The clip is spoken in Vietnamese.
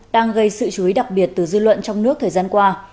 đang gây sự chú ý đặc biệt từ dư luận trong nước thời gian qua